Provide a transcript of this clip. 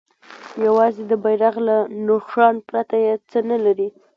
یوازې د بیرغ له نښان پرته یې څه نه لري.